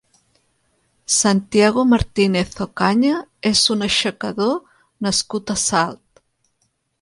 Santiago Martínez Ocaña és un aixecador nascut a Salt.